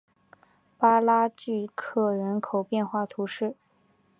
巴拉聚克人口变化图示